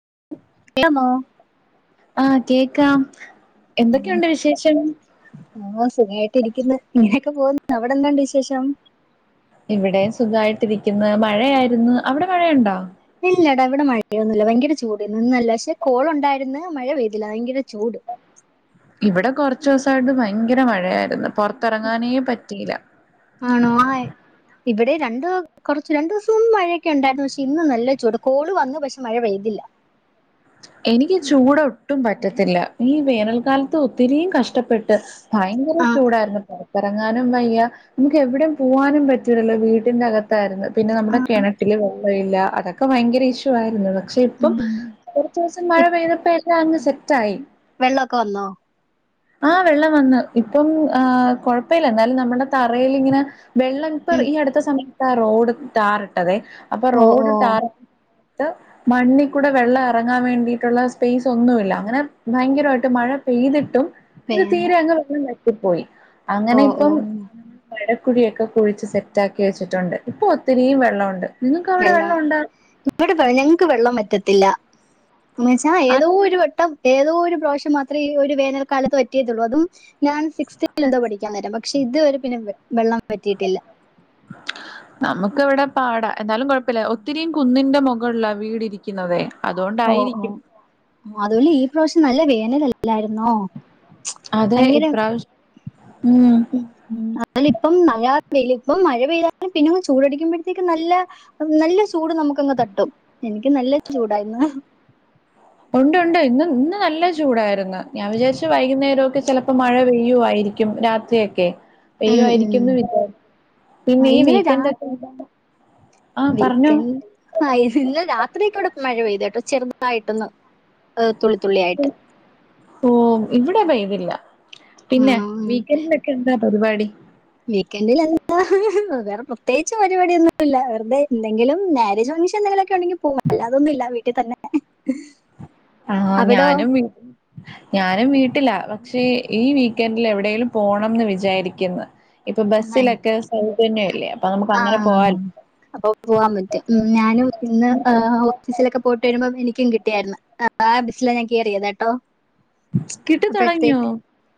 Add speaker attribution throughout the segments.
Speaker 1: [inaudible]
Speaker 2: എാമോ
Speaker 1: ആകേക്കാം
Speaker 2: ആ സുഖായിടിരിക്കുന്നു ഇങ്ങനെ അവിടെ എന്താണ്ട് വിശേഷം
Speaker 1: ഇവിടെ സുഖമായിട്ടിരിക്കുന്ന മഴയായിരുന്നു അവിടെ മഴയുണ്ടോ
Speaker 2: ഇല്ലടാ ഇവിടെ മഴയൊന്നുമില്ല ഭയങ്കര ചൂട് നിന്നല്ല പക്ഷെ കോൾുണ്ടായിരുന്ന മഴ പെയ്തില്ല ഭയങ്കര ചൂട്
Speaker 1: ഇവിടെ കൊറച്ച ദിവസായിട്ട് ഭയങ്കര മഴയായിരുന്നു പുറത്തിറങ്ങാനേ പറ്റ [unintelligible]
Speaker 2: ആണോ ഇവിടെ രണ്ട് കുറച്ച്ു രണ്ടു ദിവസം മഴയൊക്കെ ഉണ്ടായിരുന്നു പക്ഷെ ഇന്നും നല്ല ചൂട് കോള് വന്നു പക്ഷെ മഴ പെയ്തില്ല
Speaker 1: എനിക്ക് ചൂടൊട്ടും പറ്റത്തില്ല ഈ വേനൽക്കാലത്ത് ഒത്തിരിയും കഷ്ട ഇഷ്ടപ്പെട്ട് ഭയങ്കര
Speaker 2: ആ
Speaker 1: ചൂടായിരുന്നു ഇറങ്ങാനും വയ്യ നമുക്ക് എവിടയും പോവാനും പറ്റൂല്ലോ വീട്ടിന്റെറ അകത ായിരുന്നു പിന്നെ നമ്മുടെ കിണറ്റില് യില്ല അതൊക്കെ ഭയങ്കര ഇഷ്യൂ ആയിരുന്നു പക്ഷെ ഇപ്പം
Speaker 2: ഉം.
Speaker 1: ദിവസം മഴ പെയ്തപ്പ അങ്ങ് സെറ്റായി
Speaker 2: വെള്ളൊക്കെ വന്നോ
Speaker 1: ആഹ വെള്ളം വന്ന് ഇപ്പം ആ കൊഴപ്പമില്ല എന്നാലും നമ്മുടെ തറൽിങ്ങനെ വെള്ളംപ്പർ
Speaker 2: ഉം.
Speaker 1: ഈ അടുത്ത സമയം റോഡ് ട്ടാറിട്ടത്ദേ അപ്പൊ
Speaker 2: ഓ ഓ
Speaker 1: റോഡ് ാറ മണ്ണിൽ കൂടെ വെള്ള ഇറങ്ങാൻ വേണ്ടിയിട്ടുള്ള സ്പേസ് ഒന്നുമില്ല അങ്ങനെ ഭയങ്കരമായിട്ട് മഴ പെയ്തിട്ടും ഇത്
Speaker 2: പേ-
Speaker 1: തീരെ അങ്ങ് വെള്ളം വര പോയി
Speaker 2: ഓ
Speaker 1: അങ്ങനെ
Speaker 2: ഓ
Speaker 1: ഇപ്പം കുഴിയൊക്കെ കുഴിച്ച് സെറ്റാക്കി വെച്ചിട്ടുണ്ട് ഇപ്പോൾ ഒത്തിരിയും വെള്ളവോണ്ട്
Speaker 2: വെള്ള ഇവിടെ ഞങ്ങക്ക് വെള്ളം പറ്റത്തില്ല മച്ചാ ഏതോ
Speaker 1: അത്
Speaker 2: ഒരു വട്ടം ഏ ഏതോ ഒരു പ്രാവശ്യം മാത്രേ ഈ ഒരു വേനൽക്കാലത്ത് വറ്റിയിട്ടുള്ളൂ അതും ഞാൻ സിസ്ത്തിലെന്തോ പഠിക്കാൻ നേരം പക്ഷെ ഇത് വരെ പിന്നെ വെള്ളം പറ്റിയിട്ടില്ല
Speaker 1: നമുക്ക് ഇവിടെ പാടാ എന്നാലും കുഴപ്പില്ല ഒത്തിരിയും കുന്നിന്റെ മുകളുള്ള വീട് ഇരിക്കു
Speaker 2: ഓ ഓ അതും അല്ല ഈ പ്രാവശ്യം നല്ല വേനലല്ല ല്ലായിരുന്നോ
Speaker 1: അതെ ഇപ്രാവശ്യം
Speaker 2: ഉം ഉം അല്ല ഇപ്പം നല്ല വെയിൽ ഇപ്പം മഴ പെയ്താലും പിന്നങ് ചൂടടിക്കുമ്പോഴത്തേക്കും നല്ല നല്ല ചൂട് നമുക്കങ്ങ് തട്ടും എനിക്ക് നല്ല ചൂടാ ഇന്ന്
Speaker 1: ഉണ്ട് ഉണ്ട് ഇന്ന് ഇന്ന് നല്ല ചൂടായിരുന്നു ഞാൻ വിചാരിച്ചു വൈകുന്നേരമൊക്കെ ചിലപ്പോ മഴ പെയ്യുവായിരിക്കും രാത്രിയൊക്കെ പെയ്യു
Speaker 2: ഉം,
Speaker 1: ആയിരിക്കു
Speaker 2: ഉം.
Speaker 1: വെന്ന് വിചാരിച്ച്
Speaker 2: ആ,
Speaker 1: പിന്നെ ഈ
Speaker 2: ഇന്നലെ രാ
Speaker 1: വീക്കെൻഡ് ഒക്കെ ആഹ് പറഞ്ഞോ
Speaker 2: വീക്കെൻഡ് ആ ഇന്നലെ രാത്രിയൊക്കെ ഇവിടെ മഴ പെയ്ത് കേട്ടോ ചെറുതായിട്ടൊന്ന് തുള്ളി തുള്ളിയായിട്ട്
Speaker 1: ഓ ഇവിടെ പെയ്തില്ല പിന്നെ വീക്കൻഡിലൊക്കെ എന്താ പരിപാടി
Speaker 2: വീക്കൻഡില എന്താ വേറെ പ്ര പ്രത്യേകിച്ചു പരിപാടി ഒന്നുമില്ല വെറുതെ എന്തെങ്കിലും മാരേജ് ഫംഗ്ഷൻ എന്തെങ്കിലുമൊക്കെ ഉണ്ടെങ്കിൽ പോവും അല്ലാതൊന്നുമില്ല വീട്ടിൽ തന്നെ
Speaker 1: ആ
Speaker 2: അവിടോ
Speaker 1: ഞാനും ഞാനും വീട്ടില പക്ഷേ ഈ വീക്കൻഡിൽ എവിടെേങ്കിലും പോണംന്ന് വിചാരിക്കുന്നു
Speaker 2: ആ
Speaker 1: നമുക്ക്
Speaker 2: ആ
Speaker 1: അങ്ങനെ പോവാലോ
Speaker 2: അപ്പൊ പോവാൻ പറ്റും ഞാനും ഇന്ന് ഓഫീസിലൊക്കെ പോയിട്ട് വരുമ്പോ എനിക്ക് ക്കും കിട്ടിയായിരുന്നു ആ ബസില ഞാൻ കയറിയത് കേട്ടോ
Speaker 1: കിട്ടി തുടങ്ങിയോ
Speaker 2: അപ്പോഴത്തേക്ക്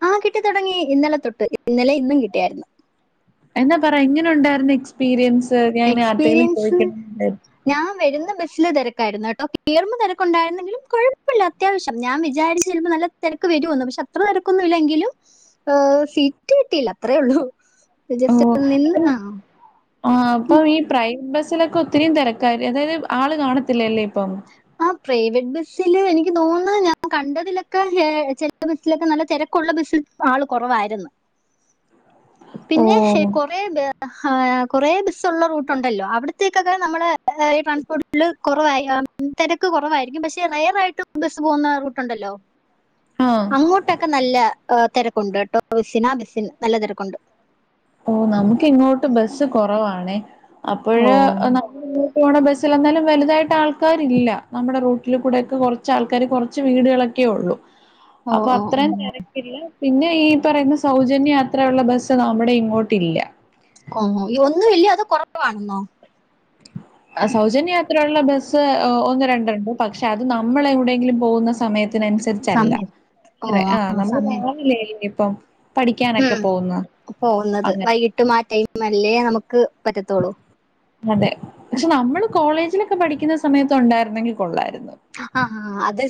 Speaker 2: ആ കിട്ടി തുടങ്ങി ഇന്നലെ തൊട്ട് ഇന്നലെ ഇന്നും കിട്ടിയായിരുന്നു
Speaker 1: എന്നാ പറ എങ്ങനെ ഉണ്ടായിരുന്നു എക്സ്പീരിയൻസ് ഞാൻ ആരുടെയെങ്കിലും
Speaker 2: എക്സ്പീരിയൻസ്
Speaker 1: ചോദിക്കണം എന്ന് വിചാരിച്ചു
Speaker 2: ഞാൻ വരുന്ന ബസില് തിര ക്കായിരുന്ന് കേട്ടോ കേയറമ്പ തിരക്കുണ്ടായിരുന്നെങ്കിലും കുഴപ്പമില്ല അത്യാവശ്യം ഞാൻ വിച്ചിരുന്നു ചുമ്പോ നല്ല തിരക്ക് വരുമെന്നു പക്ഷെ അത്ര തിരക്കൊന്നും ഇല്ലെങ്കിലും സീറ്റ് കിട്ടിയില്ല അത്രേ ഉള്ളൂ രജൽ
Speaker 1: ഓഹ്
Speaker 2: നിന്ന് ആ
Speaker 1: ആ അപ്പം ഈ പ്രൈവ ബസിലൊക്കെ ഒത്തിരിയും തിരക്കാ അതായത് ആള് കാണത്തില്ലല്ലേ ഇപ്പം
Speaker 2: ആ പ്രൈവറ്റ് ബസ്സില് എനിക്ക് എനിക്ക് തോന്നുന്നു ഞാൻ കണ്ടതിലൊക്കെ ചെല ബസിലൊക്കെ നല്ല തിരക്കുള്ള ബസിൽ ആള് കുറവായിരുന്നു
Speaker 1: ഓ
Speaker 2: പിന്നെ കൊറേ ആഹാ കുറെ ബസ്സുള്ള റൂട്ട്ണ്ടല്ലോ അവിടത്തേക്കൊക്കെ നമ്മള് ഈ ട്രൻസ്പോർട്ടില് കുറവായ തിരക്ക് കുറവായിരിക്കും പക്ഷെ റയറായിട്ട് ബസ്സ് പോകുന്ന റൂട്ടുണ്ടല്ലോ
Speaker 1: ആ
Speaker 2: അങ്ങോട്ടൊക്ക നല്ല അഹ് തെരെക്കുണ്ട് ട്ടോ ബസിന ബസിൻ നല്ല തിരക്കുണ്ട്
Speaker 1: ഓ നമുക്ക് ഇങ്ങോട്ട് ബസ്സ് കുറവാണ് [unintelligible]
Speaker 2: ഓ
Speaker 1: അപ്പോഴെ നമ്മൾ [unintelligible] പോണ ബസ്സിൽ എന്തായാലും വലുതായിട്ട് ആൾക്കാരില്ല നമ്മുടെ റൂട്ടിൽ കൂടെയൊക്കെ കുറച്ച് ആൾക്കാര് കുറച്ച് വീടുകളൊക്കെ ഉള്ളു
Speaker 2: ഓ
Speaker 1: അപ്പൊ
Speaker 2: ഓ
Speaker 1: അത്രയും തിരക്കില്ല പിന്നെ ഈ പറയുന്ന സൗജന്യ യാത്ര ഉള്ള ബസ്സ് നമ്മുടെയും അങ്ങോട്ടില്ല
Speaker 2: ഓഹ് ഒന്നും ഇല്യേ അതോ കൊറവാണെന്നോ
Speaker 1: സൗജന്യയാത്ര ഉള്ള ബസ്സ് ഒന്ന് രണ്ടുണ്ട് പക്ഷെ അത് നമ്മൾ എവിടെയെങ്കിലും പോകുന്ന സമയത്ത് അതിനനുസരിച്ചല്ല
Speaker 2: സമയത്ത് ഓ
Speaker 1: ആ നമ്മൾ
Speaker 2: സമയം
Speaker 1: രാവിലെ ഇപ്പം
Speaker 2: ഉം പോകുന്നത്
Speaker 1: അങ്ങനെ
Speaker 2: വൈകിട്ടും ആ ടൈം അല്ലേ നമുക്ക് നമുക്ക് പറ്റത്തൊളു
Speaker 1: അതെ പക്ഷെ നമ്മള് കോളേജിലൊക്കെ പഠിക്കുന്ന സമയത്ത് ഉണ്ടാരുന്നെങ്കിൽ കൊള്ളാാരുന്ന്
Speaker 2: ആ അത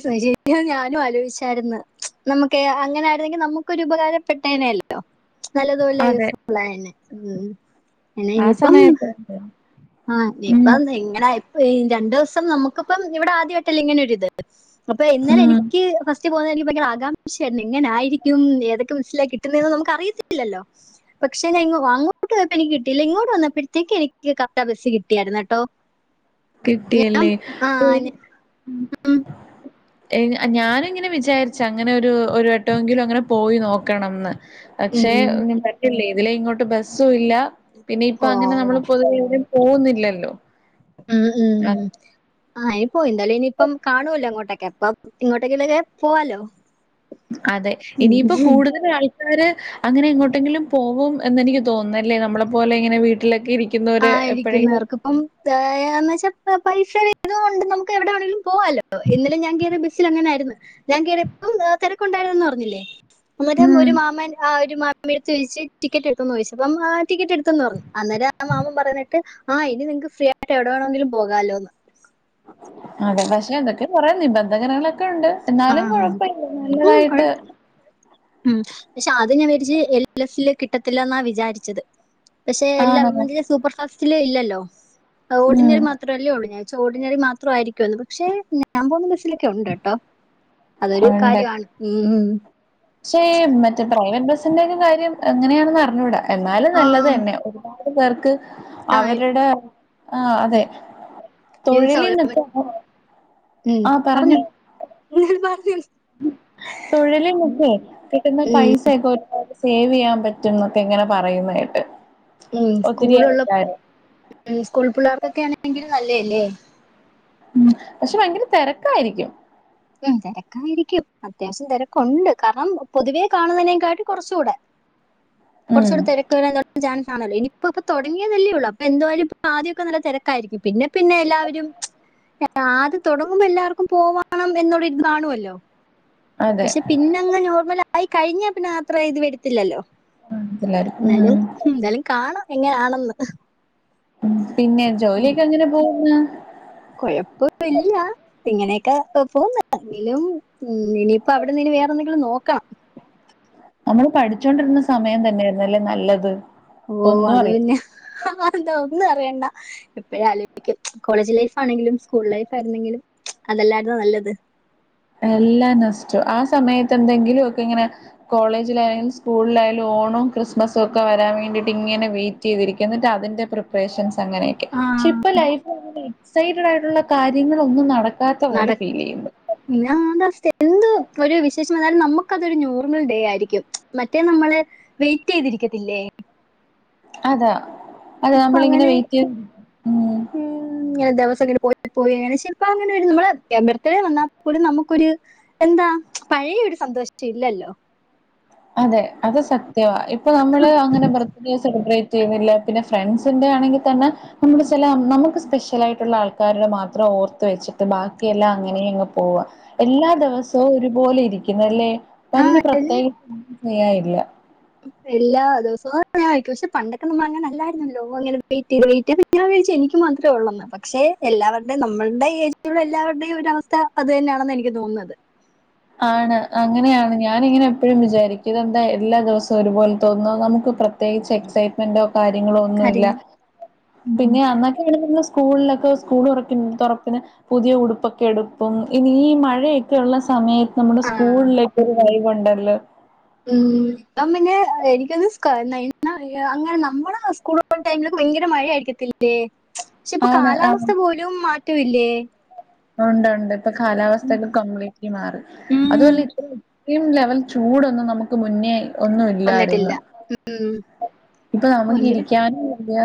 Speaker 2: ഞാനും ആലോച്ചാരുന്നു നമുക്ക് അങ്ങനെ ആരുന്നെങ്കിൽ നമുക്കൊരു ഉപകാരപ്പെട്ടേനല്ലോ നല്ലത് പോലെ
Speaker 1: അതെ.
Speaker 2: യൂസ്ഫുള്ളായേനെ ഉം പിന്നെ
Speaker 1: ആ
Speaker 2: ഇനിയിപ്പം
Speaker 1: സമയം എട്ടണ്ട്
Speaker 2: ആ ഇപ്പ എന്ത് ഇങ്ങനെ അ ഇ രണ്ടുസം നമുക്കിപ്പം ഇവിടെ ആദ്യായിട്ടല്ലേ ഇങ്ങനൊരിത് അപ്പൊ എന്നാലൽ
Speaker 1: ഉം
Speaker 2: എനിക്ക് ഫസ്റ്റ് ഫസ്റ്റ് പോകുന്നത് എനിക്ക് ഭയങ്കര ആകാംഷയായിരുന്നു എങ്ങനാരിക്കും ഏതൊക്കെ ബസ്സിലാ കിട്ടുന്നതെന്ന് നമുക്ക് അറിയത്തില്ലോ പക്ഷെ അങ്ങോട്ട് പോയപ്പോ എനിക്ക് കിട്ടില്ല ഇങ്ങോട്ട് വന്നപ്പോഴത്തേക്ക് എനിക്ക് ക ബസ്സ് കിട്ടിയായിരുന്നട്ടോ
Speaker 1: കിട്ടിയല്ലേ [unintelligible] ഞാനിങ്ങനെ വിചാരിച്ച് അങ്ങനെ ഒരു ഒരു വട്ടവെങ്കിലും അങ്ങനെ പോയി നോക്കണംന്ന് പക്ഷെ
Speaker 2: ഉം.
Speaker 1: ഇങ്ങനെ പറ്റില്ലേ അതിലെ ഇങ്ങോട്ട് ബസ് ഇല്ല പിന്നെ ഇപ്പ അങ്ങനെ
Speaker 2: ഓ
Speaker 1: നമ്മള് പൊതുവേ പോവുന്നില്ലല്ലോ
Speaker 2: ഉം ഉം ഉം [unintelligible] പോയിന്താലും ഇനിയിപ്പം കാണുമല്ലോ അങ്ങോട്ടക്കെ പ്പ ഇങ്ങോട്ടേങ്കിലൊക്കെ പോവാലോ
Speaker 1: അതെ
Speaker 2: ഉം.
Speaker 1: ഇനിയിപ്പോ കൂടുതല ആൾ ആൾക്കാർ അങ്ങനെ എങ്ങോട്ടെങ്കിലും പോകും എന്ന് എനിക്ക് തോന്നുന്നു അല്ലേ നമ്മളെ പോലെ ഇങ്ങനെ വീട്ടിലൊക്കെ ഇരിക്കും
Speaker 2: ആ ഇരിക്കുന്നു അവർക്ക ഇപ്പംന്ന് വെച്ച പൈസ വേണ്ടാത്തത് കൊണ്ട് നമുക്ക് എവിടെണെങ്കിലും പോകാലോ ഇന്നലെ ഞാൻ കയറിയ ബസ്സിൽ അങ്ങനെ ആയിരുന്നു ഞാൻ കയറി എപ്പോ തിരക്കുണ്ടായിരുന്നന്ന് പറഞ്ഞില്ലേ അന്നെരം
Speaker 1: ഉം.
Speaker 2: ഒരു മാമൻ ആ എടുത്ത് ചഴച്ച് ടിക്കറ്റ് എടുന്ന് ചോദിച്ചു അപ്പ ടിക്കറ്റ് എടുത്തന്ന് പറഞ്ഞു അന്നേരം ആ മാമൻ പറഞ്ഞിട്ട് ആ ഇനി നിങ്ങക്ക് ഫ്രീ ആയിട്ട് എവിടെ വേണമെങ്കിലും പോകാലോന്ന്
Speaker 1: അതെ പക്ഷെ എന്തൊക്കെ കുറ നിബന്ധകനങ്ങളെ ണ്ട്
Speaker 2: ആ
Speaker 1: എന്നാലും കുഴപ്പമില്ല
Speaker 2: ഉം,
Speaker 1: നല്ലതായിട്ട്
Speaker 2: കുഴപ്പ- ഉം പക്ഷെ അത് ഞാൻ വിരിച്ച് എൽ എൽ എഫില് കിട്ടത്തില്ല എന്നാ വിചാരിച്ചത് പക്ഷെ എല്ലാ
Speaker 1: ആണല്ലോ.
Speaker 2: സൂപ്പർ ഫാസ് ൽ ഇല്ലല്ലോ
Speaker 1: ഉം.
Speaker 2: ഓർഡിനറി മാത്രമല്ലേ ഓടുന്നെ ചോടിനറി മാത്രമായിയിരിക്കുംന്ന് പക്ഷെ ഞാൻ പോകുന്ന ലൊ ക്കെ ഉണ്ട് കേട്ടോ അതൊരു
Speaker 1: ഉണ്ട്.
Speaker 2: കാര്യമാണ് ഉ
Speaker 1: പക്ഷേ മറ്റേ പ്രൈവറ്റ് ബസ്സിന്റെക്ക ഒരു കാര്യം എങ്ങനെയാണെന്ന് അറിഞ്ഞൂടാ എന്നാലും
Speaker 2: ആ
Speaker 1: നല്ലത് തന്നെ ഒരുപാട് പേർക്ക്
Speaker 2: ആ
Speaker 1: അവരുടെ ആഹ അതെ
Speaker 2: ഉം. യൂസ് ആവുമല്ലോ.
Speaker 1: തൊഴിൽന്നൊക്കെ
Speaker 2: ഉം,
Speaker 1: ആ പറഞ്ഞ
Speaker 2: പറഞ്ഞോ പറഞ്ഞു
Speaker 1: തൊഴിൽന്ന് ഒക്കെ കിട്ടുന്ന പൈസഒക്കെ സേവ് ചെയ്യാൻ പറ്റും എന്നൊക്കെ എങ്ങനെ പറയുന്നത് കേട്ട്
Speaker 2: ഉ
Speaker 1: ഒത്തിരി
Speaker 2: സ്കൂളുള്ള
Speaker 1: ആൾക്കാര്
Speaker 2: സ്കൂൾ പിള്ളേർക്കൊക്കെ ആണെങ്കിലും അല്ലേ അല്ലേ
Speaker 1: ഉ പക്ഷെ ഭയങ്കര തിരക്കായിരിക്കും
Speaker 2: ഉം തിരക്കായിരിക്കും അത്യാവശ്യം തിരക്കുണ്ട് കാരണം പൊതുവെ കാണുന്നതിനേക്കാട്ടി കുറച്ചുകൂടെ
Speaker 1: ഉം
Speaker 2: കുറച്ചൂടെ തെരക്ക് വരാൻ ചാൻ ആണല്ലോ ഇനിയിപ്പ ഇപ്പൊ തുടങ്ങിയതല്ലേ ഉള്ളൂ അപ്പൊ എന്തായാലും ഇ ആദ്യമൊക്കെ നല്ല തിരക്കായിരിക്കും പിന്നെ പിന്നെ എല്ലാവരും ആദ്യം തുടങ്ങുമ്പോ എല്ലാവർക്കും പോവാ ണം എന്നൊരു ഇത് കാണുമല്ലോ
Speaker 1: അതെ
Speaker 2: പക്ഷെ പിന്നെങ്ങെ നോർമലാ ആയി കഴിഞ്ഞ പിന്നെ അത്രേ ഇത് വരത്തില്ലല്ലോ
Speaker 1: [unintelligible] മ്
Speaker 2: [unintelligible] ആണെന്ന്
Speaker 1: ഉം പിന്നെ ജോലിയൊക്കെ എങ്ങനെ പോവുന്ന്
Speaker 2: കൊഴപ്പ ഇല്ല ഇങ്ങനെയക്ക പോവുന്നു എങ്കിലും ഇനിയിപ്പ അവിടെന്ന് ഇനി വേറെ എന്തെങ്കിലും നോക്കണം
Speaker 1: നമ്മള് പഠിച്ചോണ്ടിരുന്ന സമയം തന്നെയായിരുന്നല്ലേ നല്ലത്
Speaker 2: ഓഹ്
Speaker 1: ഒന്നും അറിയ
Speaker 2: അത് തന്ന വേണ്ട ഇപ്പോഴാ [unintelligible] കോളേജ് ലൈഫ് ആണെങ്കിലും സ്കൂൾ ലൈഫ് ആയിരുന്നെങ്കിലും അതല്ലാരുന്ന നല്ലത്
Speaker 1: എല്ലാം നൊസ്റ്റു ആ സമയത്ത് എന്തെങ്കിലും ഒക്കെ ഇങ്ങനെ കോളേജിലായും സ്കൂളിലായാലും ഒണോം ക്രിസ്മസും ഒക്കെ വരാൻ വേണ്ടിട്ട് ഇങ്ങനെ വെയിറ്റ് ചെയ്തിരിക്ക എന്നിട്ട് അതിന്റെ പ്രിപ്പറേഷൻസ് അങ്ങനെയൊക്കെ
Speaker 2: ആ
Speaker 1: പക്ഷെ ഇപ്പ ലൈഫ് എക്സൈറ്റഡ് ആയിട്ടുള്ള കാര്യങ്ങളൾ ഒന്നും [inaudible] [unintelligible] പോലെ ഫീല് ചെയ്യ്ന്ന്
Speaker 2: പിന്ന [unintelligible] എന്ത് ഒരു വിശേഷം വന്നാലും നമ്മുക്ക് അതൊരു നോർമൽ ഡേ ആയിരിക്കും മറ്റേ നമ്മള് വെയിറ്റ് ചെയ്തിരിക്കത്തില്ലേ
Speaker 1: അതാ അതെ
Speaker 2: ഇപ്പൊ
Speaker 1: നമ്മള് ഇങ്ങനെ
Speaker 2: അങ്ങനെ
Speaker 1: വെയിറ്റ് മ്ഹ്
Speaker 2: ഉം ഇങ്ങനെ [unintelligible] [unintelligible] അങ്ങനെ ഒരു നമ്മളെ ബർത്ത്ഡേ വന്നാൽ പോലും നമുക്കൊരു എന്താ പഴയ ഒരു സന്തോഷ ഇല്ലല്ലോ
Speaker 1: അതെ അത് സ [unintelligible] ഇപ്പൊ നമ്മള് അങ്ങനെ ബർത്ത്ഡേ സെലിബ്രേ [unintelligible] പിന്നെ ഫ്രണ്ട്സിന്റെറെ ആണെങ്കി തന്ന നമ്മള് ചില നമുക്ക് സ്പെഷ്യലായിട്ടുള്ള ആൾക്കാരുടെ മാത്രം ഓർത്ത് വെച്ചിട്ട് ബാക്കിയെല്ലാം അങ്ങനെ അങ്ങ് പോവുക എല്ലാ ദിവസവും ഒരുപോലെ ഇരിക്കുന്ന് അല്ലേ [unintelligible] [unintelligible] പ്രത്യേക [unintelligible]
Speaker 2: എല്ലാ ദിവസവും [unintelligible] പക്ഷെ പണ്ടൊക്കെ നമ്മൾ അങ്ങന അല്ലായിരുന്നല്ലോ അങ്ങനെ വെയ്റ്റ് ചെയ്ത് വെയ്റ്റ് അപ്പൊ ഞാൻ വിചാരിച്ചു എനിക്ക് മാത്രേ ഒള്ളെന്ന് പക്ഷെ എല്ലാവരുടെയും നമ്മളുടെ ഏജിലുള്ള എല്ലാവരുടെയും ഒരു അവസ്ഥ അത് തന്നെയാണെന്ന എനിക്ക് തോന്നുന്നത്
Speaker 1: ആണ് അങ്ങനെയാണ് ഞാനിങ്ങനെ എപ്പോഴും വിചാരിക്കും എന്താ എല്ലാ ദിവസവും ഒരുപോലെ തോന്നുന്നു നമുക്ക് പ്രത്യേകിച്ച് എക്സൈറ്റ്മെന്റോ കാര്യങ്ങളും ഒന്നും ഇല്ല
Speaker 2: കാര്യങ്ങൾ ഉം.
Speaker 1: പിന്നെ അന്നൊക്കെയാ [unintelligible] സ്കൂളിലൊക്കെ സ്കൂള് തൊറപ്പി തൊറപ്പിനു പുതിയ ഉടുപ്പൊക്കെ എടുപ്പും ഇനി ഈ മഴയൊക്കെ ഉള്ള സമയ നമ്മുടെ
Speaker 2: ആ
Speaker 1: സ്കൂളിലേക്കൊരു [inaudible] കൊണ്ടല്ലേ.
Speaker 2: ഉം ഇപ്പം പിന്നെ എനിക്കൊന്ന് [unintelligible] അങ്ങനെ നമ്മള് സ്കൂള് പോണ ടൈമിലൊക്കെ ഭയങ്കര മഴയായിരിക്കത്തില്ലേ പക്ഷെ ഇപ്പൊ
Speaker 1: ആണ് ആ
Speaker 2: കാലാവസ്ഥ പോലും മാറ്റമില്ലേ
Speaker 1: ഉണ്ട് ഉണ്ട് ഇപ്പൊ കാലാവസ്ഥയൊക്കെ കംപ്ലീറ്റ്ലി മാറി അതുവല്ല ഇപ്പൊ യും ലെവൽ ചൂടൊന്ന് നമുക്ക് മുന്നേ ഒന്നു
Speaker 2: വന്നിട്ടില്ല
Speaker 1: ഇല്ലായിരുന്നു ഇപ്പൊ നമുക്ക്‌
Speaker 2: ഭയങ്കര
Speaker 1: ഇരിക്കാനും വയ്യ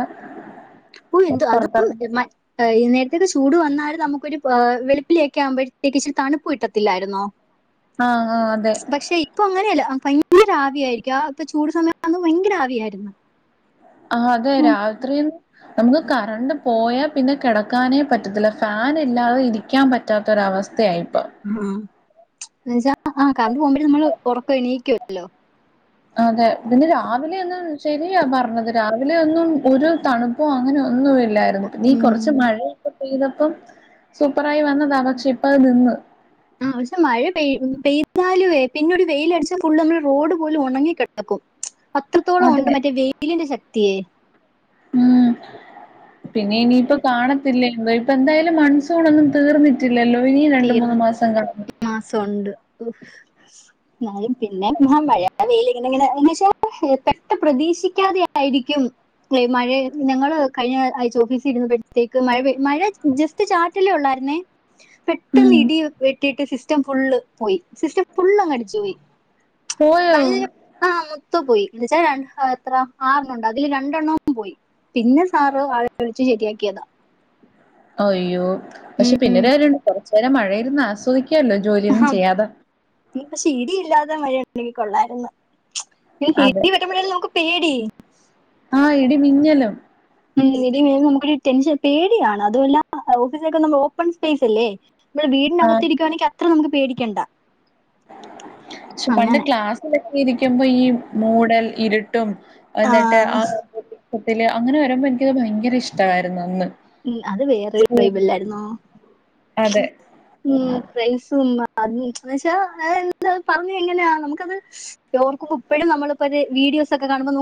Speaker 2: ഓ എന്ത അതും
Speaker 1: പുറത്തിറങ്ങാൻ
Speaker 2: മ എഴുന്നേറ്റ്- ഭയങ്കരചൂട് വന്നാലും നമുക്കൊരു വെളുപ്പിലേക്കെ ആവുമ്പോഴത്തേക്ക് ഇച്ചി തണുപ്പ് കിട്ടത്തില്ലായിരുന്നോ
Speaker 1: ആഹ് ആഹ് അതെ
Speaker 2: പക്ഷെ ഇപ്പൊ അങ്ങനെയല്ല ആ ഭയങ്കര ആവിയായിരിക്കും ആ ഇപ്പ ചൂട് സമയാകുമ്പോ ഭയങ്കര ആവിയായിരുന്നു
Speaker 1: ആഹ് അതെ
Speaker 2: ഉം.
Speaker 1: രാത്രിന്ന് നമുക്ക് കറണ്ട് പോയാ പിന്നെ കെടക്കാനേ പറ്റത്തില്ല. ഫാൻ ഇല്ലാതെ ഇരിക്കാൻ പറ്റാത്തൊരവസ്
Speaker 2: ഹാ എന്നച്ചാ ആഹ് കറണ്ട് പോവ്‌മ്പഴ് നമ്മള് ഒറക്കൊ എണീക്കും ഹലോ
Speaker 1: അതെ പിന്നെ രാവിലെ ഒന്നും ശരിയാ പറഞ്ഞത് രാവിലെ ഒന്നും ഒരു തണുപ്പോ അങ്ങനെ ഒന്നും ഇൽ ഇല്ലാര്ന്ന് ഇനീ കൊറച്ച്
Speaker 2: ഉം.
Speaker 1: മഴയ ക്കെ പെയ്തപ്പം സൂപ്പറായി വന്നതാണ് പക്ഷെ ഇപ്പ അത് നിന്ന്
Speaker 2: ആ പക്ഷെ മഴ പെയ് മ് പെയ്താല്‌വേ പിന്നൊര് വെയില് അടിച്ചാ ഫുള്ള് നമ്മള് റോഡ് പോലും ഒണങ്ങി കെടക്കും അത്രത്തോളം ഒണ്ട്
Speaker 1: അതെ
Speaker 2: മറ്റേ വെയിലിന്റെ ശക് ത്തിയേ
Speaker 1: ഉം പിന്നെ ഇനിയിപ്പ കാണത്തില്ലേല് ഇവ്ട ഇപ്പ എന്തായാലും മൺസൂൺ ഒന്നും തീർന്നിട്ടി ലല്ലോ ഇനിം രണ്ട് മൂന്ന്
Speaker 2: തീർന്നു
Speaker 1: മാസം കാണും
Speaker 2: മയിം പിന്നെ മഴ വെയിലിങ്ങന ഇങ്ങനെഎന്ന് വെച്ചാ പെട്ട പ്രതീക്ഷിക്കാതെ ആയിരിക്കും മഴെ ഞങ്ങള് കഴിഞ്ഞാ ആഴ്ച ഒഫീസി ഇരുന്നപ്പഴത്തേക്ക് മഴ പെയ് മഴ ജസ്റ്റ് ചാറ്റലേ ഒള്ളാര്ന്നേ. പെ ട്ടന്ന്
Speaker 1: ഉം
Speaker 2: ഇടിയു വെ ട്ടീട്ട് സിസ്റ്റം ഫുള്ള് പോയി. സിസ്റ്റം ഫുള്ള് അങ്ങ് അടിച്ചു പോയി.
Speaker 1: പോയോ
Speaker 2: നല്ല ആ മൊത്തം പോയി ന്ന്ച്ചാ രണ്ട് ആ എത്ര ആറണ്ണം ഒണ്ട് അതില് രണ്ടണ്ണോം പോയി. പിന്നെ സാറ് ആളെ വിളിച്ചു ശരിയാക്കിയതാ.
Speaker 1: അയ്യോ പക്ഷേ പിന്നൊരു കാര്യ ഒണ്ട് ചെല മഴയിരുന്ന് ആസ്വദി ക്കാലോ ജോലിയൊന്നും ചെയ്യാതെ
Speaker 2: ഇ പക്ഷേ ഇടി ഇല്ലാത മഴ ഉണ്ടെങ്കി കൊള്ളാര്ന്ന്. ഈ
Speaker 1: അതെ
Speaker 2: ഇടി വെട്ടുമ്പോഴല്ലേ നമുക്ക് പേടി
Speaker 1: ആഹ് ഇടി മിന്നലും
Speaker 2: ഉം ഇടി മുഴങ്ങുമ്പോ നമുക്കൊരു ടെൻഷൻ പേടിയാണ് അതുമല്ല ആ ഓഫീലൊക്കെ ഓപ്പൺ സ്പേസ് അല്ലേ? നമ്മൾ വീടിനകത്തിരിക്കുവാണെങ്കി അ ത്ര നമുക്ക് പേടിക്കേണ്ട
Speaker 1: ശ്ശു പണ്ട് ക്ലാസില് ഇരിക്കമ്പോ ഈ മൂടൽ ഇരു കം എന്നിട്ട് ആ [unintelligible] ട്ടത്തില് അങ്ങനെ വരമ്പൊ എനിക്കത് ഭയങ്കര ഇഷ്ടായിരുന്നു അന്ന്
Speaker 2: ഉം അത് വേറൊരു
Speaker 1: സ്കൂ
Speaker 2: വൈബല്ലരുന്നോ
Speaker 1: അതെ.
Speaker 2: ഉം ഫ്രെണ്ട്സും അ അതിന് അന്ന്ച്ചാ അവര് എന്ത് അത് പറഞ്ഞ് എങ്ങനെയാ നമുക്കത് ഓർക്കുമ്പൊ ഇപ്പഴും നമ്മളിപ്പൊര് വീഡിയോസ് ഒക്ക കാണുമ്പോ നോ